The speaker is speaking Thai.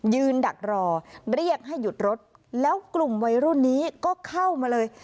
ดักรอเรียกให้หยุดรถแล้วกลุ่มวัยรุ่นนี้ก็เข้ามาเลย